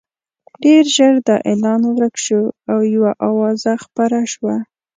ډېر ژر دا اعلان ورک شو او یوه اوازه خپره شوه.